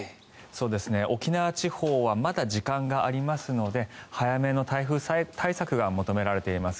沖縄地方はまだ時間がありますので早めの台風対策が求められています。